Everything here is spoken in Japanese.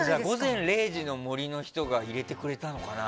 「午前０時の森」の人が入れてくれたのかな。